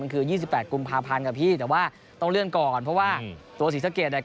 คือ๒๘กุมภาพันธ์กับพี่แต่ว่าต้องเลื่อนก่อนเพราะว่าตัวศรีสะเกดเนี่ย